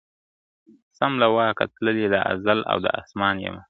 سم له واکه تللی د ازل او د اسمان یمه ..